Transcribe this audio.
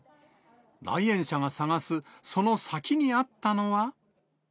来園者が探す、その先にあったのは。